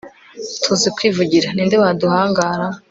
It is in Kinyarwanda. tuzi kwivugira, ni nde waduhangara